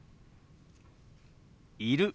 「いる」。